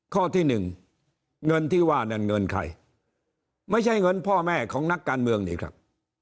ข้อที่หนึ่งเงินที่ว่านั่นเงินใครไม่ใช่เงินพ่อแม่ของนักการเมืองนี่ครับ